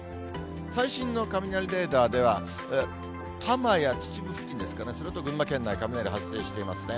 最新の雷レーダーでは、多摩や秩父付近ですかね、それと群馬県内、雷発生していますね。